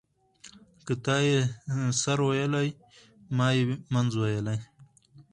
ـ که تا يې سر ويلى ما يې منځ ويلى.